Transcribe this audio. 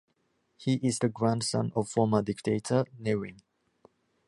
He is the grandson of former dictator Ne Win.